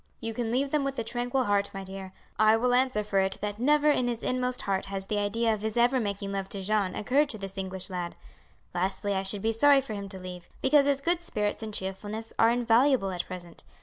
"You can leave them with a tranquil heart, my dear. I will answer for it that never in his inmost heart has the idea of his ever making love to Jeanne occurred to this English lad. Lastly I should be sorry for him to leave, because his good spirits and cheerfulness are invaluable at present.